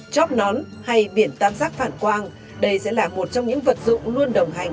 chóp nón hay biển tam giác phản quang đây sẽ là một trong những vật dụng luôn đồng hành